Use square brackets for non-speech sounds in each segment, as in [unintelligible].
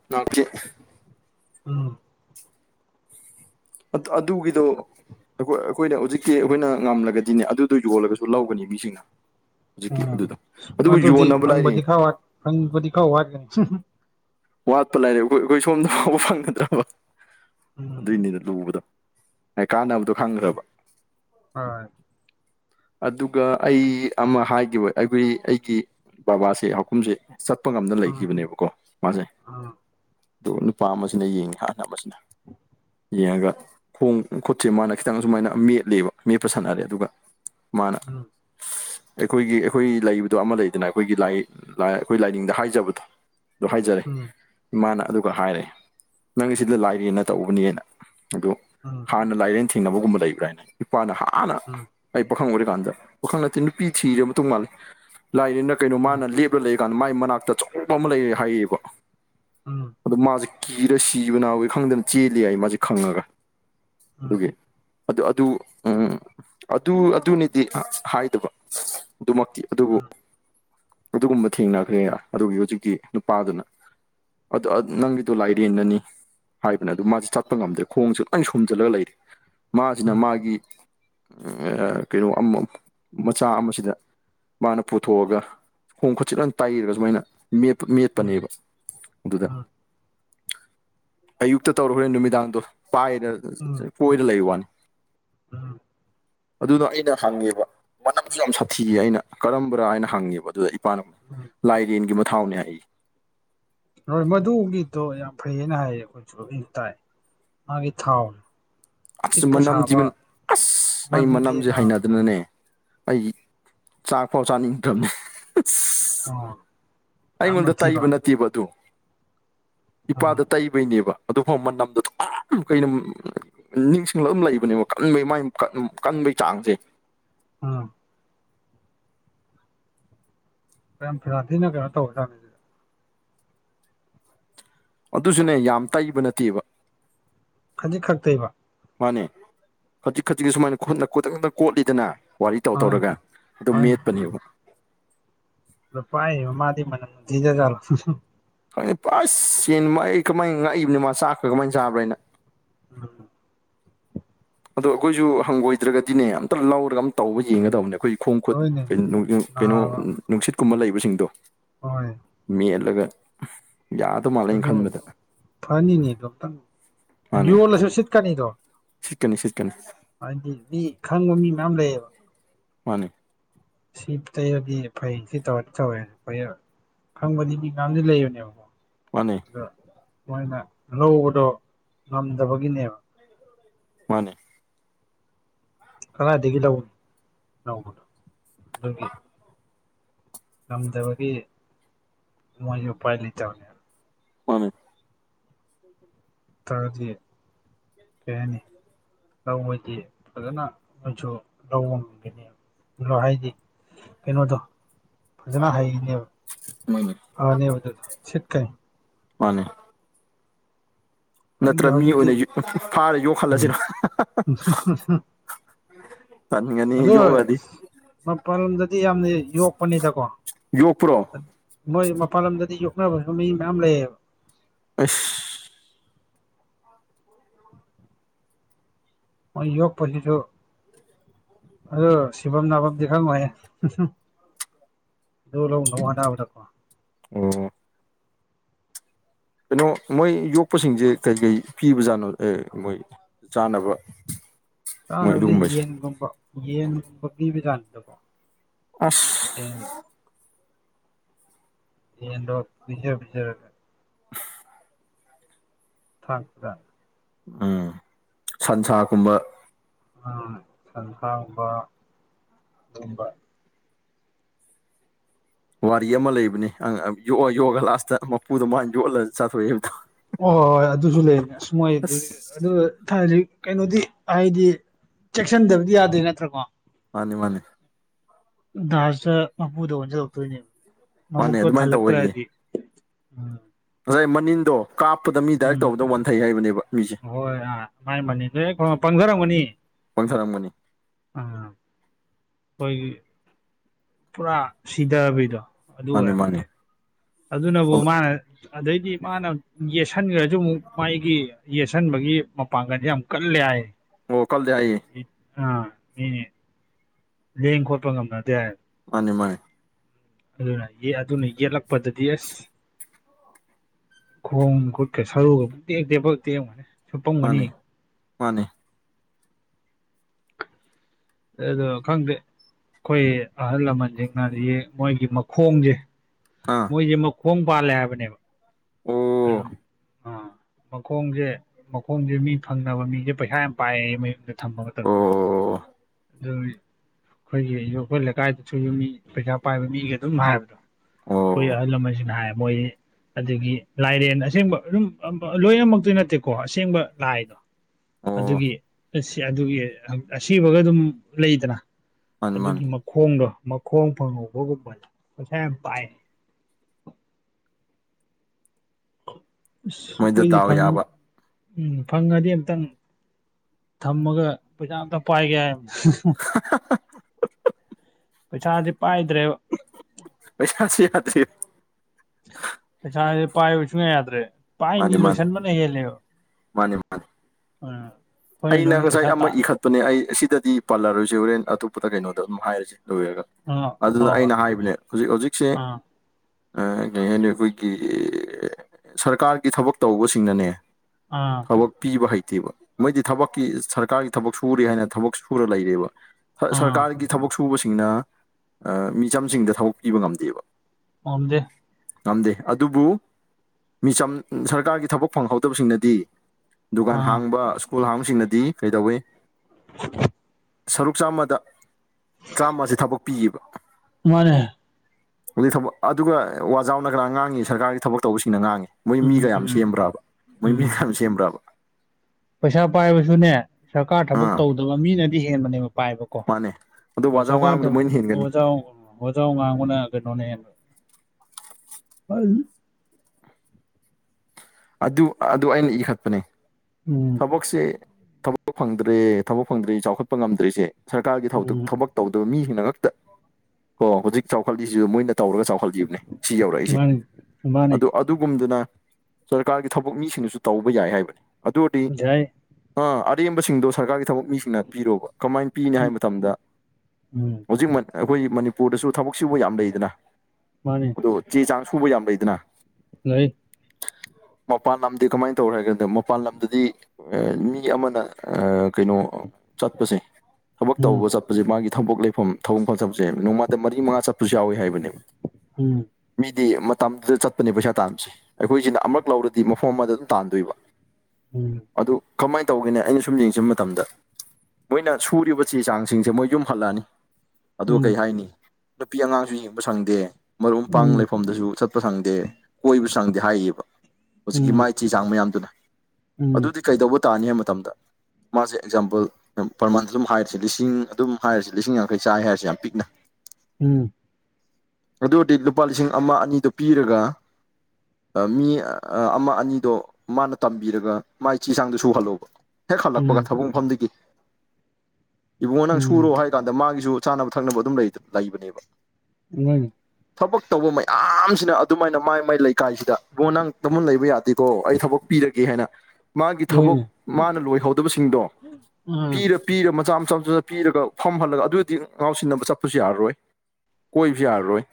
[unintelligible] ꯎꯝ ꯑ ꯑꯗꯨꯒꯤꯗꯣ ꯑꯩꯈꯣꯏ ꯑꯩꯈꯣꯏꯅ ꯍꯧꯖꯤꯛꯇꯤ ꯑꯩꯈꯣꯏꯅ ꯉꯝꯂꯒꯗꯤꯅꯦ ꯑꯗꯨꯗꯣꯞꯌꯣꯜꯂꯒꯁꯨ ꯂꯧꯒꯅꯤ ꯃꯤꯁꯤꯡꯅ꯫ ꯍꯧꯖꯤꯛꯀꯤ ꯎꯝ ꯑꯗꯨꯗ ꯑꯗꯨꯕꯨ ꯑꯗꯨꯗꯤ ꯌꯣꯟꯅꯕ ꯂꯥꯏꯔꯤ ꯐꯪꯕꯗꯤ ꯈꯔ ꯋꯥꯠ ꯐꯪꯕꯗꯤ ꯈ ꯋꯥꯠꯀꯅꯤ ꯋꯥꯠꯄ ꯂꯥꯏꯔꯦ ꯑꯩꯈꯣꯏ ꯑꯩꯈꯣꯏ ꯁꯣꯝꯗ ꯐꯥꯎꯕ ꯐꯪꯒꯗ꯭ꯔꯕ ꯎꯝ ꯑꯗꯨꯏꯅꯤꯅ ꯂꯨꯕꯗꯣ ꯑꯩ ꯀꯥꯟꯅꯕꯗꯨ ꯎꯝ ꯈꯪꯒ꯭ꯔꯕ [unintelligible] ꯑꯗꯨꯒ ꯑꯩ ꯑꯃ ꯍꯥꯏꯒꯤꯕ ꯑꯩꯈꯣꯏ ꯑꯩꯒꯤ ꯕꯕꯥꯁꯦ ꯍꯥꯀꯨꯝꯁꯦ ꯆꯠꯄ ꯉꯝꯗ ꯎꯝ ꯂꯩꯈꯤꯕꯅꯦꯕꯀꯣ ꯃꯥꯁꯦ ꯎꯝ ꯑꯗꯨ ꯅꯨꯄꯥ ꯑꯃꯁꯤꯅ ꯌꯦꯡꯉꯤ ꯍꯥꯟꯅ ꯑꯃꯁꯤꯅ ꯌꯦꯡꯉꯒ ꯈꯣꯡ ꯈꯨꯠꯁꯦ ꯃꯥꯅ ꯈꯤꯇꯪ ꯁꯨꯃꯥꯏꯅ ꯃꯦꯠꯂꯦꯕ ꯃꯦꯠꯄ ꯁꯥꯟꯅꯔꯦ ꯑꯗꯨꯒ ꯃꯥꯅ ꯎꯝ ꯑꯩꯈꯣꯏꯒꯤ ꯑꯩꯈꯣꯏ ꯂꯩꯕꯗꯣ ꯑꯃ ꯂꯩꯗꯅ ꯑꯩꯈꯣꯏꯒꯤ ꯂꯥꯏ ꯂꯥꯏ ꯑꯩꯈꯣꯏ ꯂꯥꯏꯅꯤꯡꯗ ꯍꯥꯏꯖꯕꯗꯣ ꯑꯗꯣ ꯍꯥꯏꯖꯔꯦ ꯎꯝ ꯏꯃꯥꯅ ꯑꯗꯨꯒ ꯍꯥꯏꯔꯦ ꯅꯪ ꯁꯤꯗ ꯂꯥꯏꯔꯦꯟꯅ ꯇꯧꯕꯅꯦꯅ ꯑꯗꯨ ꯎꯝ ꯍꯥꯟꯅ ꯂꯥꯏꯔꯦꯟ ꯊꯦꯡꯅꯕꯒꯨꯝꯕ ꯂꯩꯕ꯭ꯔꯥꯅ ꯏꯄꯥꯅ ꯍꯥꯟꯅ ꯎꯝ ꯎꯝ ꯑꯩ ꯄꯥꯈꯪ ꯑꯣꯏꯔꯤꯀꯥꯟꯗ ꯄꯥꯈꯪ ꯅꯠꯇꯦ ꯅꯨꯄꯤ ꯊꯤꯔꯦ ꯃꯇꯨꯡ ꯃꯥꯜꯂꯦ ꯂꯥꯏꯔꯦꯟꯂ ꯀꯩꯅꯣ ꯎꯝ ꯎꯝ ꯎꯝ ꯎꯝ ꯃꯥꯅ ꯂꯦꯞ ꯂꯩ ꯀꯥꯟꯗ ꯃꯥꯏ ꯃꯅꯥꯛꯇ ꯑꯆꯧꯕ ꯑꯃ ꯂꯩꯌꯦ ꯍꯥꯏꯌꯦꯕ ꯎꯝ ꯑꯗꯨꯗ ꯃꯥꯁꯦ ꯀꯤꯔ ꯁꯤꯕ ꯅꯥꯕꯒꯤ ꯈꯪꯗꯅ ꯆꯦꯜꯂꯤ ꯍꯥꯏꯑꯦ ꯃꯥꯖꯦ ꯈꯪꯉꯒ ꯑꯗꯨꯒꯤ ꯑꯗꯨ ꯑꯗꯨ ꯎꯝ ꯑꯗꯨ ꯑꯗꯨꯅꯤꯗꯤ ꯑ ꯍꯥꯏꯗꯕ ꯑꯗꯨꯃꯛꯇꯤ ꯑꯗꯨꯕꯨ ꯑꯗꯨꯒꯨꯝꯕ ꯊꯦꯡꯅꯈ꯭ꯔꯦ ꯑꯗꯨꯒꯤ ꯍꯧꯖꯤꯛꯀꯤ ꯅꯨꯄꯥꯗꯨꯅ ꯑꯗꯨ ꯑ ꯅꯪꯒꯤꯗꯣ ꯂꯥꯏꯔꯦꯟꯅꯅꯤ ꯍꯥꯏꯕꯅꯦ ꯑꯗꯨ ꯃꯥꯖꯤ ꯆꯠꯄ ꯉꯝꯗ꯭ꯔꯦ ꯈꯣꯡꯁꯦ ꯂꯣꯏ ꯁꯨꯝꯖꯤꯜꯂꯒ ꯂꯩꯔꯦ ꯃꯥꯖꯤꯅ ꯎꯝ ꯃꯥꯒꯤ ꯑ ꯀꯩꯅꯣ ꯑꯃ ꯃꯆꯥ ꯑꯃꯁꯤꯗ ꯃꯥꯅ ꯄꯨꯊꯣꯛꯑꯒ ꯈꯣꯡ ꯈꯨꯠꯁꯦ ꯂꯣꯏ ꯇꯩꯔꯒ ꯁꯨꯃꯥꯏꯅ ꯃꯦꯠꯄ ꯃꯦꯠꯄꯅꯦꯕ ꯑꯗꯨꯗ ꯑꯌꯨꯛꯇ ꯇꯧꯔꯣ ꯅꯨꯃꯤꯗꯥꯡꯗꯣ ꯄꯥꯏꯔ ꯎꯝ ꯎꯝ ꯀꯣꯏꯔ ꯂꯩ ꯋꯥꯅꯤ ꯎꯝ ꯑꯗꯨꯗꯣ ꯑꯩꯅ ꯍꯪꯉꯦꯕ ꯃꯅꯝꯁꯨ ꯌꯥꯝ ꯁꯥꯊꯤꯌꯦ ꯑꯩꯅ ꯀꯔꯝꯕ꯭ꯔꯥ ꯍꯥꯏꯅ ꯍꯪꯉꯦꯕ ꯑꯗꯨꯗ ꯏꯄꯥꯥꯅ ꯂꯥꯏꯔꯦꯟꯒꯤ ꯃꯊꯥꯎꯅꯦ ꯍꯥꯏꯌꯦ꯫ ꯍꯣꯏ ꯃꯗꯨꯒꯤꯗꯣ ꯌꯥꯝ ꯐꯩꯌꯦꯅ ꯍꯥꯏꯌꯦ ꯑꯩꯈꯣꯏꯁꯨ ꯎꯝ ꯇꯥꯏ ꯃꯥꯒꯤ ꯊꯥꯎ ꯑꯁ ꯆꯤꯛꯄ ꯁꯥꯕ ꯃꯅꯝꯊꯤꯕꯅ ꯑꯁ ꯑꯩ ꯃꯅꯨꯡꯗꯤ ꯃꯅꯝꯖꯦ ꯑꯥ ꯍꯩꯅ ꯗꯨꯅꯅꯦ ꯑꯩ ꯆꯥꯛꯐꯥꯎ ꯆꯥꯅꯤꯡꯗ꯭ꯔꯕꯅꯦ ꯑꯁ ꯑꯣ ꯑꯩꯉꯣꯟꯗ ꯇꯩꯕ ꯅꯠꯇꯦꯕ ꯑꯗꯨ ꯑꯥ ꯏꯄꯥꯗ ꯇꯩꯕꯩꯅꯦꯕ ꯑꯗꯨꯐꯥꯎ ꯃꯅꯝꯗꯣ ꯑꯥ ꯀꯩꯅꯝ ꯅꯤꯡꯁꯤꯡꯂ ꯑꯝ ꯂꯩꯕꯅꯦꯕ ꯀꯟꯕꯩ ꯃꯥꯏ ꯀꯟ ꯀꯟꯕꯩ ꯆꯥꯡꯖ‌ꯦ ꯎꯝ ꯀꯌꯥꯝ ꯀꯌꯥꯝ ꯊꯤꯅ ꯀꯩꯅꯣ ꯇꯧꯕꯖꯠꯅꯦ ꯑꯗꯨꯖꯨꯅꯦ ꯌꯥꯝ ꯇꯩꯕ ꯅꯠꯇꯦꯕ ꯈꯖꯤꯛ ꯈꯛ ꯇꯩꯕ ꯃꯥꯅꯦ ꯈꯖꯤꯛ ꯈꯖꯤꯛ ꯁꯨꯃꯥꯏꯅ ꯈꯨꯠꯅ ꯈ‌ꯣꯠ ꯇ‌ꯪ ꯈꯇꯪ ꯀꯣꯠꯂꯤꯗꯅ ꯋꯥꯔꯤ ꯇꯧ ꯍꯣꯏꯅꯦ ꯇꯧꯔꯒ ꯑꯗꯨꯝ ꯍꯣꯏꯅꯦ ꯃꯦꯠꯄꯅꯦꯕ ꯗꯣ ꯄꯥꯏꯔꯤꯕ ꯃꯥꯗꯤ ꯃꯅꯝ ꯅꯝꯊꯤꯗꯖꯥꯠꯂ ꯐꯪꯗ‌ꯦ ꯄꯁ ꯆꯦꯟꯕ ꯑꯩ ꯀꯃꯥꯏ ꯉꯛꯏꯕꯅꯤ ꯃꯥ ꯆꯥꯛꯀ ꯀꯃꯥꯏꯟ ꯆꯥꯕ꯭ꯔꯥ ꯍꯥꯏꯅ ꯎꯝ ꯎꯝ ꯑꯗꯣ ꯑꯈꯣꯏꯖꯨ ꯍꯪꯒꯣꯏꯗ꯭ꯔꯒꯗꯤꯅꯦ ꯑꯝꯇ ꯂꯧꯔꯒ ꯑꯝ ꯇꯧꯕ ꯌꯦꯡꯒꯗꯝꯅꯦ ꯑꯈꯣꯏ ꯈꯣꯡ ꯈꯨꯠ ꯍꯣꯏꯅꯦ ꯀꯩ ꯅꯨ ꯀꯩꯅꯣ ꯅꯥꯕ ꯅꯨꯡꯁꯤꯠꯀꯨꯝꯕ ꯂꯩꯕꯁꯤꯡꯗꯣ ꯍꯣꯏ ꯃꯦꯠꯂꯒ ꯌꯥ ꯑꯗꯣ ꯐꯅꯤꯅꯦꯗꯣ ꯑꯝ ꯃꯥꯅꯦ ꯌꯣꯜꯂꯁꯨ ꯁꯤꯠꯀꯅꯤꯗꯣ ꯁꯤꯠꯀꯅꯤ ꯁꯤꯠꯀꯅꯤ ꯑꯗꯤꯗꯤ ꯈꯪꯕ ꯃꯤ ꯃꯌꯥꯝ ꯂꯩꯌꯦꯕ ꯃꯥꯅꯦ ꯁꯤ ꯇꯩꯩꯔꯗꯤ ꯐꯩ ꯁꯤ ꯇꯧꯔꯗꯤ ꯇꯧꯋꯦ ꯐꯩꯌ‌ꯦꯕ ꯈꯪꯕꯗꯤ ꯃꯤ ꯃꯌꯥꯝꯗꯤ ꯂꯩꯕꯅꯦꯕꯀꯣ ꯃꯥꯅꯦ ꯗꯣ ꯃꯣꯏꯅ ꯂꯧꯕꯗꯣ ꯉꯝꯗꯕꯒꯤꯅꯦꯕ ꯃꯥꯅꯦ ꯀꯗꯥꯏꯗꯒꯤ ꯂꯧꯒꯅꯤ ꯂꯧꯕꯗꯣ ꯑꯗꯨꯒꯤ ꯉꯝꯗꯕꯒꯤ ꯃꯣꯏꯖꯨ ꯎꯄꯥꯏ ꯂꯩꯇꯕꯅꯦ ꯃꯥꯅꯦ [inaudible] ꯇꯥꯔꯗꯤ ꯀꯩ ꯍꯥꯏꯅꯤ ꯂꯧꯕꯗꯤ ꯐꯖꯅ ꯃꯣꯏꯖꯨ ꯂꯧꯕ ꯉꯝꯒꯅꯤ ꯃꯥ ꯍꯥꯏꯗꯤ ꯀꯩꯅꯣꯗꯣ ꯐꯖꯅ ꯍꯩꯅꯤꯕ ꯃꯥꯅꯦ ꯐꯅ‌ꯦꯕ ꯑꯗꯨꯗꯣ ꯁꯤꯠꯀꯟ ꯃꯥꯅꯦ ꯈꯪꯗꯦ ꯅꯠꯇ꯭ꯔ ꯃꯤ ꯍꯧꯖꯤꯛꯇꯤ ꯑꯣꯏꯅ ꯌ‌ꯣ ꯐꯥꯔ ꯌꯣ ꯎꯝ ꯈꯜꯂꯁꯤꯔ ꯑꯗꯨ ꯃꯄꯜ ꯂꯝꯗꯗꯤ ꯌꯥꯝꯅ ꯌꯣꯛꯄꯅꯤꯗꯀꯣ ꯌꯣꯛꯄ꯭ꯔꯣ ꯑꯗ ꯃꯣꯏ ꯃꯄꯥꯟ ꯂꯝꯗꯗꯤ ꯌꯣꯛꯅꯕ [unintelligible] ꯃꯤ ꯃꯌꯥꯝ ꯂꯩꯌꯦꯕ ꯏꯁ ꯃꯣꯏ ꯌꯣꯛꯄꯖꯤꯖꯨ ꯑꯗꯨ ꯁꯤꯕꯝ ꯅꯥꯕꯝꯗꯤ ꯈꯪꯉꯣꯏꯍꯦ ꯗꯨ ꯂꯧꯅꯕ ꯍꯣꯅꯕꯗꯥꯀꯣ ꯑꯣ ꯀꯩꯅꯣ ꯃꯣꯏ ꯌꯣꯛꯄꯁꯤꯡꯖ‌ꯦ ꯀꯩ ꯀꯩ ꯄꯤꯕꯖꯥꯠꯅꯣ ꯑꯦ ꯃꯣꯏ ꯆꯥꯅꯕ ꯃꯣꯏ ꯆꯥꯅꯕꯖ‌ꯦ ꯑꯗꯨꯒꯨꯝꯕꯁꯦ ꯌꯦꯟꯒꯨꯝꯕ ꯌꯦꯟꯒꯨꯝꯕ ꯄꯤꯕ ꯖꯥꯅꯤꯗꯀꯣ ꯑꯁ ꯌꯦꯟꯗꯣ ꯄꯤꯖ ꯄꯤꯖꯔꯒ [unintelligible] ꯎꯝ ꯁꯟꯁꯥꯀꯨꯝꯕ ꯑꯥ ꯁꯟꯁꯥꯒꯨꯝꯕ ꯑꯗꯨꯒꯨꯝꯕ ꯋꯥꯔꯤ ꯑꯃ ꯂꯩꯕꯅꯦ ꯑꯪ ꯌꯣꯛꯑ ꯌꯣꯛꯑꯒ ꯂꯥꯁꯇ ꯃꯄꯨꯗꯣ ꯃꯥꯅ ꯌꯣꯠꯂꯒ ꯆꯥꯊꯣꯛꯑꯦ ꯍꯥꯏꯕꯗꯣ ꯍꯣ ꯍꯣꯏ ꯑꯗꯨꯁꯨ ꯂꯩꯕꯅꯤ ꯑꯁ ꯃꯣꯏ ꯑꯗꯨꯗꯤ ꯑꯗꯣ ꯊꯥꯏꯅꯗꯤ ꯀꯩꯅꯣꯗꯤ ꯍꯥꯏꯗꯤ ꯆꯦꯛꯁꯤꯟꯗꯕꯗꯤ ꯌꯥꯗꯦ ꯅꯠꯇ꯭ꯔꯀꯣ ꯃꯥꯅꯤ ꯃꯥꯅꯦ ꯗꯥꯟꯁꯇ ꯃꯄꯨꯗ ꯑꯣꯟꯁꯤꯜꯂꯛꯇꯣꯏꯅꯦ ꯃꯥꯅꯦ ꯃꯕꯨꯛꯇꯣ ꯑꯗꯨꯃꯥꯏꯅ ꯇꯧꯋꯌꯦ ꯊꯜꯂꯛꯇ꯭ꯔꯗꯤ ꯎꯝ ꯉꯁꯥꯏ ꯃꯅꯤꯟꯗꯣ ꯀꯥꯞꯄꯗ ꯃꯤ ꯗꯥꯏꯔꯦꯛ ꯎꯝ ꯇꯧꯕꯗ ꯋꯥꯟꯊꯩ ꯍꯥꯏꯕꯅꯦꯕ ꯃꯤꯖꯦ ꯍꯣꯏ ꯑꯥ ꯃꯥꯏ ꯃꯅꯤꯗꯣ ꯍꯦꯛ ꯄꯪꯊꯔꯝꯒꯅꯤ ꯄꯪꯊꯔꯝꯒꯅꯤ ꯑꯥ ꯈꯣꯏꯒꯤ ꯄꯨꯔꯥ ꯁꯤꯊꯕꯤꯗꯣ ꯑꯗꯨ ꯃꯥꯅꯤ ꯃꯥꯅꯤ ꯑꯣꯏꯔꯝꯒꯅꯦꯕ ꯑꯗꯨꯅꯕꯨ ꯃꯥꯅ ꯑꯗꯩꯗꯤ ꯃꯥꯅ ꯌꯦꯠꯁꯟꯒꯔꯖꯨ ꯑꯃꯨꯛ ꯃꯥꯒꯤ ꯌꯦꯠꯁꯟꯕꯒꯤ ꯃꯄꯥꯡꯒꯜꯖꯦ ꯌꯥꯝ ꯀꯜꯂꯦ ꯍꯥꯏ ꯑꯣ ꯀꯜꯂꯦ ꯍꯥꯏꯌꯦ [unintelligible] ꯂꯦꯡ ꯈꯣꯠꯄ ꯉꯝꯅꯗꯦ ꯍꯥꯏ ꯃꯥꯅꯦ ꯃꯥꯅꯦ ꯑꯗꯨꯅ ꯑꯗꯨꯅ ꯌꯦꯛꯂꯛꯄꯗꯗꯤ ꯑꯁ ꯈꯣꯡ ꯈꯨꯠꯀ ꯁꯔꯨꯒ ꯄꯨꯡꯇꯦꯛꯇꯦꯐꯥꯎ ꯇꯦꯛꯑꯝꯒꯅꯤ ꯁꯨꯞꯄꯝꯒꯅꯤ ꯃꯥꯅꯦ ꯃꯥꯅꯦ ꯑꯗꯣ ꯈꯪꯗꯦ ꯑꯩꯈꯣꯏ ꯑꯍꯜ ꯂꯃꯟꯁꯤꯡꯅꯖꯤ ꯃꯣꯏꯒꯤ ꯃꯈꯣꯡꯖꯦ ꯑꯥ ꯃꯣꯏꯖꯦ ꯃꯈꯣꯡ ꯄꯥꯜꯂꯦ ꯍꯥꯏꯕꯅꯦꯕ ꯑꯣ ꯑꯗꯨꯝ ꯑꯥ ꯃꯈꯣꯡꯖꯦ ꯃꯈꯣꯡꯖꯦ ꯃꯤ ꯐꯪꯅꯕ ꯃꯤꯁꯦ ꯄꯩꯁꯥ ꯌꯥꯝ ꯄꯥꯏꯌꯦ ꯃꯌꯨꯝꯗ ꯊꯝꯕ ꯃꯇꯝꯗ ꯑꯣ ꯑꯗꯨꯏ ꯑꯩꯈꯣꯏꯒꯤ ꯑꯩꯈꯣꯏ ꯂꯩꯀꯥꯏꯗꯁꯨ ꯌꯨꯝ ꯃꯤ ꯄꯩꯁꯥ ꯄꯥꯏꯕ ꯃꯤꯒꯤ ꯑꯗꯨꯝ ꯍꯥꯏꯕꯗꯣ ꯑꯩꯈꯣꯏ ꯑꯣ ꯑꯍꯜ ꯂꯃꯟꯁꯤꯡꯅ ꯍꯥꯏ ꯃꯣꯏꯗꯤ ꯑꯗꯨꯒꯤ ꯂꯥꯏꯔꯦꯟ ꯑꯁꯦꯡꯕ ꯑꯗꯨꯝ ꯂꯣꯏꯅꯃꯛꯇꯤ ꯅꯠꯇꯦꯀꯣ ꯑꯁꯦꯡꯕ ꯂꯥꯏꯗꯣ ꯑꯣ ꯑꯗꯨꯒꯤ ꯑꯗꯨꯒꯤ ꯑꯁꯤꯕꯒ ꯑꯗꯨꯝ ꯂꯩꯗꯅ ꯃꯥꯅꯤ ꯃꯥꯅꯤ ꯑꯗꯨꯒꯤ ꯃꯈꯣꯡꯗꯣ ꯃꯈꯣꯡ ꯐꯪꯍꯧꯕꯒꯨꯝꯕꯗ ꯄꯩꯁꯥ ꯌꯥꯝ ꯄꯥꯏꯌꯦ ꯑꯁ ꯃꯣꯏꯗ ꯑꯩꯈꯣꯏꯗꯤ ꯗꯥꯎ ꯐꯪ ꯌꯥꯕ ꯎꯝ ꯐꯪꯉꯗꯤ ꯑꯝꯇꯪ ꯊꯝꯃꯒ ꯄꯩꯁꯥ ꯑꯝꯇ ꯄꯥꯏꯒꯦ ꯍꯥꯏꯃꯤꯅꯤ [unintelligible] ꯄꯩꯁꯥꯥꯁꯦ ꯄꯥꯏꯗ꯭ꯔꯦꯕ ꯄꯩꯁꯥꯁꯦ ꯌꯥꯗ꯭ꯔꯦ ꯄꯩꯁꯥꯖꯦ ꯄꯥꯏꯌꯣ ꯁꯨꯛꯌꯥ ꯌꯥꯗ꯭ꯔꯦ ꯄꯥꯏꯅꯤ ꯂꯣꯏꯁꯟꯕꯅ ꯍꯦꯜꯂꯦꯕ ꯃꯥꯟꯅꯤ ꯃꯥꯟꯅꯤ ꯑꯝ ꯑꯩꯅ ꯉꯁꯥꯢ ꯑꯃ ꯏꯈꯠꯄꯅꯦ ꯑꯩ ꯁꯤꯗꯗꯤ ꯄꯥꯔꯂꯔꯁꯦ ꯍꯣꯔꯦꯟ ꯑꯇꯣꯞꯄꯗ ꯀꯩꯅꯣꯗ ꯑꯗꯨꯝ ꯍꯥꯢꯔꯁꯦ ꯂꯣꯢꯔꯒ ꯑꯥ ꯑꯗꯨꯗ ꯍꯣꯏ ꯍꯣꯏ ꯑꯩꯅ ꯍꯥꯢꯕꯅꯦ ꯍꯧꯖꯤꯛ ꯍꯧꯖꯤꯛꯁꯦ ꯑꯥ ꯑꯥ ꯀꯩ ꯍꯥꯢꯅꯤ ꯑꯩꯈꯣꯢꯒꯤ ꯁꯔꯀꯥꯔꯒꯤ ꯊꯕꯛ ꯇꯧꯕꯁꯤꯡꯅꯅꯦ ꯑꯥ ꯊꯕꯛ ꯄꯤꯕ ꯍꯩꯇꯦꯕ ꯃꯣꯢꯗꯤ ꯊꯕꯛꯀꯤ ꯁꯔꯀꯥꯔꯒꯤ ꯊꯕꯛ ꯁꯨꯔꯦ ꯍꯥꯢꯅ ꯊꯕꯛ ꯁꯨꯔ ꯂꯩꯔꯦꯕ ꯑꯥ ꯁꯔꯀꯥꯔꯒꯤ ꯊꯕꯛ ꯁꯨꯕꯁꯤꯡꯅ ꯃꯤꯆꯝꯁꯤꯡꯗ ꯊꯕꯛ ꯄꯤꯕ ꯉꯝꯗꯦꯕ ꯄꯥꯝꯗꯦ ꯉꯝꯗꯦ ꯑꯗꯨꯕꯨ ꯃꯤꯆꯝ ꯁꯔꯀꯥꯔꯒꯤ ꯊꯕꯛ ꯐꯪꯍꯧꯗꯕꯁꯤꯡꯅꯗꯤ ꯗꯨꯀꯥꯟ ꯑꯥ ꯍꯥꯡꯕ ꯁ꯭ꯀꯨꯜ ꯍꯥꯡꯁꯤꯡꯅꯗꯤ ꯀꯩꯗꯧꯋꯤ ꯁꯔꯨꯛ ꯆꯥꯝꯃꯗ ꯆꯥꯝꯃꯥꯁꯦ ꯊꯕꯛ ꯄꯤꯌꯦꯕ ꯃꯥꯅꯦ ꯍꯧꯖꯤꯛ ꯊꯕꯛ ꯑꯗꯨꯒ ꯑꯣꯖꯥꯎꯅ ꯀꯥꯅ ꯉꯥꯡꯉꯤ ꯁꯔꯀꯥꯔꯒꯤ ꯊꯕꯛ ꯇꯧꯕꯁꯤꯡꯅ ꯉꯥꯡꯉꯤ ꯃꯣꯢ ꯎꯝ ꯃꯤꯒꯥ ꯌꯥꯝ ꯎꯝ ꯁꯦꯝꯕ꯭ꯔꯕ ꯃꯣꯢ ꯎꯝ ꯃꯤ ꯀꯌꯥꯝ ꯁꯦꯝꯕ꯭ꯔꯕ ꯄꯩꯁꯥ ꯄꯥꯢꯕꯁꯨꯅꯦ ꯁꯔꯀꯥꯔ ꯊꯕꯛ ꯑꯥ ꯇꯧꯗꯕ ꯃꯤꯅꯗꯤ ꯍꯦꯟꯕꯅꯦꯕ ꯄꯥꯢꯕꯀꯣ ꯃꯥꯅꯦ ꯑꯗꯣ ꯋꯥꯖꯥꯎ ꯁ꯭ꯔꯥꯀꯥ ꯉꯥꯡꯕꯗ ꯊꯕꯛ ꯃꯣꯏꯅ ꯍꯦꯟꯒꯅꯤ ꯋꯣꯖꯥꯎ [unintelligible] ꯋꯥꯖꯥꯎ ꯉꯥꯡꯕꯅ ꯀꯩꯅꯣꯅꯦ ꯍꯥꯢꯔꯨꯅꯨ ꯑꯗꯨ ꯑꯗꯨ ꯑꯩꯅ ꯏꯈꯠꯄꯅꯦ ꯎꯝ ꯊꯕꯛꯁꯦ ꯊꯕꯛ ꯐꯪꯗ꯭ꯔꯦ ꯊꯕꯛ ꯐꯪꯗ꯭ꯔꯤ ꯆꯥꯎꯈꯠꯄ ꯉꯝꯗ꯭ꯔꯤꯁꯦ ꯁꯔꯀꯥꯔꯒꯤ ꯊꯕꯛꯇꯣ ꯎꯝ ꯊꯕꯛ ꯇꯧꯗꯕ ꯃꯤꯁꯤꯡꯅ ꯉꯥꯛꯇ ꯀꯣ ꯍꯧꯖꯤꯛ ꯆꯥꯎꯈꯠꯂꯤꯁꯤ ꯃꯣꯢꯅ ꯇꯧꯔꯒ ꯆꯥꯎꯈꯠꯂꯤꯕꯅꯦ ꯁꯤ ꯌꯧꯔꯛꯏꯁꯦ ꯃꯥꯅꯤ ꯃꯥꯅꯤ ꯑꯗꯣ ꯑꯗꯨꯒꯨꯝꯗꯨꯅ ꯁꯔꯀꯥꯔꯒꯤ ꯊꯕꯛ ꯃꯤꯁꯤꯡꯅꯁꯨ ꯇꯧꯕ ꯌꯥꯢ ꯍꯥꯢꯕꯅꯤ ꯑꯗꯨ ꯑꯣꯢꯔꯗꯤ ꯉꯁꯥꯏ ꯑꯥ ꯑꯔꯦꯝꯕꯁꯤꯡꯗꯣ ꯁꯔꯀꯥꯔꯒꯤ ꯊꯕꯛ ꯃꯤꯁꯤꯡꯅ ꯄꯤꯔꯣꯕ ꯀꯃꯥꯢꯅ ꯄꯤꯅꯤ ꯎꯝ ꯍꯥꯢꯕ ꯃꯇꯝꯗ ꯎꯝ ꯍꯧꯖꯤꯛ ꯑꯩꯈꯣꯢ ꯃꯅꯤꯄꯨꯔꯗꯁꯨ ꯊꯕꯛ ꯁꯨꯕꯨ ꯌꯥꯝ ꯂꯩꯗꯅ ꯃꯥꯅꯦ ꯑꯗꯣ ꯆꯦ ꯆꯥꯡ ꯁꯨꯕ ꯌꯥꯝ ꯂꯩꯗꯅ ꯂꯩ ꯃꯄꯥꯟ ꯂꯝꯗꯤ ꯀꯃꯥꯢꯅ ꯇꯧꯔꯦ ꯍꯥꯢ ꯀꯥꯟꯗ ꯃꯄꯥꯟ ꯂꯝꯗꯗꯤ ꯃꯤ ꯑꯃꯅ ꯑꯥ ꯀꯩꯅꯣ ꯆꯠꯄꯁꯦ ꯊꯕꯛ ꯎꯝ ꯇꯧꯕ ꯆꯠꯄꯁꯦ ꯃꯥꯒꯤ ꯊꯕꯛ ꯂꯩꯐꯝ ꯊꯕꯛ ꯃꯐꯝ ꯆꯠꯄꯁꯦ ꯅꯣꯡꯃꯥꯗ ꯃꯔꯤ ꯃꯉꯥ ꯆꯠꯄꯁꯨ ꯌꯥꯎꯋꯤ ꯍꯥꯢꯕꯅꯦꯕ ꯎꯝ ꯃꯤꯗꯤ ꯃꯇꯝꯗꯨꯗ ꯆꯠꯄꯅꯦ ꯄꯩꯁꯥ ꯇꯥꯟꯕꯁꯦ ꯑꯩꯈꯣꯢꯁꯤꯅ ꯑꯃꯨꯛ ꯂꯧꯔꯗꯤ ꯃꯐꯝ ꯑꯃꯗ ꯑꯗꯨꯝ ꯇꯥꯟꯗꯣꯢꯕ ꯎꯝ ꯑꯗꯨ ꯀꯃꯥꯢꯅ ꯇꯧꯒꯦꯅꯦ ꯑꯩꯅ ꯁꯨꯝ ꯌꯦꯡꯁꯤꯟꯕ ꯃꯇꯝꯗ ꯃꯣꯢꯅ ꯁꯨꯔꯤꯕ ꯆꯦ ꯆꯥꯡꯁꯤꯡꯁꯦ ꯃꯣꯢ ꯌꯨꯝ ꯍꯜꯂꯛꯑꯅꯤ ꯑꯗꯨ ꯎꯝ ꯀꯩ ꯍꯥꯢꯅꯤ ꯅꯨꯄꯤ ꯑꯉꯥꯡꯁꯨ ꯌꯦꯡꯕ ꯁꯪꯗꯦ ꯃꯔꯨꯞ ꯃꯄꯥꯡ ꯎꯝ ꯂꯩꯐꯝꯗꯁꯨ ꯆꯠ ꯁꯪꯗꯦ ꯀꯣꯢꯕ ꯁꯪꯗꯦ ꯍꯥꯢꯌꯦꯕ ꯍꯧꯖꯤꯛꯀꯤ ꯎꯝ ꯃꯥꯢ ꯆꯦ ꯆꯥꯡ ꯃꯌꯥꯝꯗꯨꯅ ꯎꯝ ꯑꯗꯨꯗꯤ ꯀꯩꯗꯧꯕ ꯇꯥꯅꯤ ꯍꯥꯢꯕ ꯃꯇꯝꯗ ꯃꯥꯁꯦ ꯑꯦꯛꯖꯥꯝꯄꯜ ꯄꯔꯃꯥꯟ ꯑꯗꯨꯝ ꯍꯥꯢꯔꯤꯁꯦ ꯂꯤꯁꯤꯡ ꯑꯗꯨꯝ ꯍꯥꯏꯔꯤꯁꯤ ꯂꯤꯁꯤꯡ ꯌꯥꯡꯈꯩ ꯆꯥꯢ ꯍꯥꯢꯔꯁꯤ ꯌꯥꯝ ꯄꯤꯛꯅ ꯎꯝ ꯑꯗꯨꯗꯤ ꯂꯨꯄꯥ ꯂꯤꯁꯤꯡ ꯑꯃ ꯑꯅꯤꯗꯨ ꯄꯤꯔꯒ ꯃꯤ ꯑꯃ ꯑꯅꯤꯗꯣ ꯃꯥꯅ ꯇꯝꯕꯤꯔꯒ ꯃꯥꯥꯢ ꯆꯦ ꯆꯥꯡꯗ ꯁꯨꯍꯜꯂꯣꯕ ꯍꯦꯛ ꯎꯝ ꯍꯜꯂꯛꯄꯒ ꯊꯕꯛ ꯃꯐꯝꯗꯒꯤ ꯏꯕꯨꯡꯉꯣ ꯅꯪ ꯎꯝ ꯁꯨꯔꯣ ꯍꯥꯢ ꯀꯥꯟꯗ ꯃꯥꯒꯤꯁꯨ ꯆꯥꯅꯕ ꯊꯛꯅꯕ ꯑꯗꯨꯝ ꯂꯩꯕꯅꯦꯕ ꯍꯣꯢꯅꯦ ꯊꯕꯛ ꯇꯧꯕ ꯃꯌꯥꯝꯁꯤꯅ ꯑꯗꯨꯃꯥꯢꯅ ꯃꯥꯢ ꯃꯥꯢ ꯂꯩꯀꯥꯢꯁꯤꯗ ꯏꯕꯨꯡꯉꯣ ꯅꯪ ꯇꯨꯝꯃ ꯂꯩꯕ ꯌꯥꯗꯦ ꯀꯣ ꯑꯩ ꯊꯕꯛ ꯄꯤꯔꯒꯦ ꯍꯥꯏꯅ ꯃꯥꯒꯤ ꯊꯕꯛ ꯂꯣꯏꯅꯤ ꯃꯥꯅ ꯂꯣꯏꯍꯧꯗꯕꯁꯤꯡꯗꯣ ꯎꯝ ꯄꯤꯔꯛ ꯄꯤꯔ ꯃꯆꯥ ꯃꯆꯥ ꯆꯥ ꯄꯤꯔꯒ ꯐꯝꯍꯜꯂꯒ ꯑꯗꯨꯗꯤ ꯉꯥꯎꯁꯤꯟꯅꯕ ꯆꯠꯄꯖꯨ ꯌꯥꯔꯣꯏ ꯀꯣꯏꯕꯖꯨ ꯌꯥꯔꯔꯣꯏ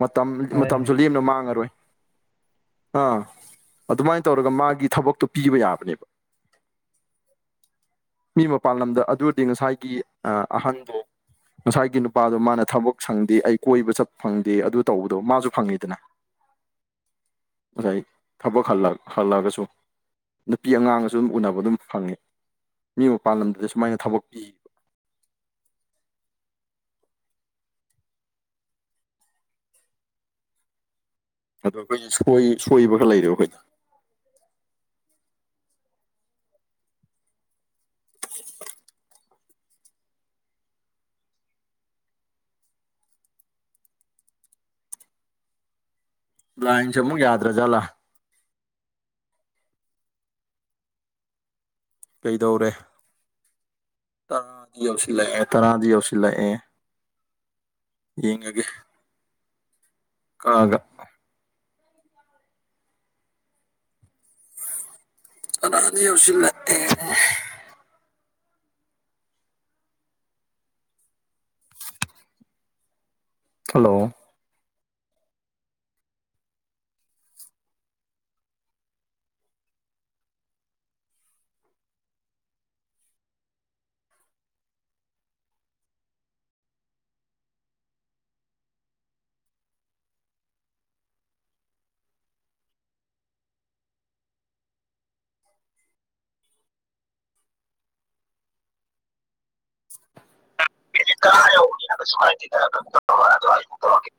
ꯃꯇꯝ ꯍꯥꯏꯕꯅꯤ ꯃꯇꯝꯖꯨ ꯂꯦꯝꯅ ꯃꯥꯡꯉꯔꯣꯏ ꯑꯥ ꯑꯗꯨꯃꯥꯏꯟ ꯇꯧꯔꯒ ꯃꯥꯒꯤ ꯊꯕꯛꯇꯣ ꯄꯤꯕ ꯌꯥꯕꯅꯦꯕ ꯃꯤ ꯃꯄꯥꯥꯜꯂꯝꯗ ꯑꯗꯨꯔꯗꯤ ꯉꯁꯥꯏꯒꯤ ꯑꯥ ꯑꯍꯟꯗꯣ ꯉꯁꯥꯏꯒꯤ ꯅꯨꯄꯥꯗꯣ ꯃꯥꯅ ꯊꯕꯛ ꯁꯪꯗꯦ ꯑꯩ ꯀꯣꯏꯕ ꯆꯠ ꯐꯪꯗꯦ ꯑꯗꯨ ꯇꯧꯕꯗꯣ ꯃꯥꯖꯨ ꯐꯪꯏ ꯗꯅꯥ ꯉꯁꯥꯏ ꯊꯕꯛ ꯍꯜꯂꯛ ꯍꯜꯂꯒꯖꯨ ꯅꯨꯄꯤ ꯑꯉꯥꯡꯒꯖꯨ ꯎꯅꯕ ꯑꯗꯨꯝ ꯐꯪꯏ ꯃꯤ ꯃꯄꯥꯜꯂꯝꯗ ꯁꯨꯃꯥꯏꯅ ꯊꯕꯛ ꯄꯤ ꯑꯗꯣ ꯑꯈꯣꯏꯒꯤ ꯁꯣꯏ ꯁꯣꯏꯕ ꯈꯔ ꯂꯩꯔꯦꯕ ꯑꯈꯣꯏꯅ ꯂꯥꯏꯟꯖꯦ ꯑꯃꯨꯛ ꯌꯥꯗ꯭ꯔ ꯖꯥꯠꯂ ꯀꯩꯗꯧꯔꯦ ꯇꯔꯥꯗꯤ ꯌꯧꯁꯤꯜꯂꯛꯑꯦ ꯇꯔꯥꯗꯤ ꯌꯧꯁꯤꯜꯂꯛꯑꯦ ꯌꯦꯉꯒꯦ ꯀꯛꯑꯒ ꯇꯔꯥꯗꯤ ꯌꯧꯁꯤꯜꯂꯛꯑꯦ ꯍꯜꯂꯣ ꯃꯤꯅꯤꯠ ꯇꯔꯥ ꯌꯧꯕꯅꯤꯅ [unintelligible]